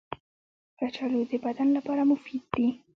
کچالو د بدن لپاره مفید دي